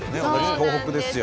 東北ですよ。